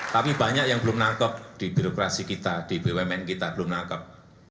tapi banyak yang belum nangkep di birokrasi kita di bumn kita belum nangkep